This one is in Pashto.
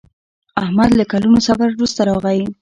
احمد له کلونو سفر وروسته راغی.